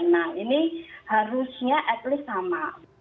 nah ini harusnya at least sama